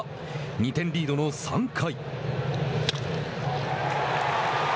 ２点リードの３回。